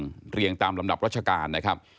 เรียงตามลำดับรัชการนะครับ